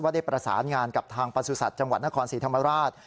ได้ประสานงานกับทางประสุทธิ์จังหวัดนครศรีธรรมราช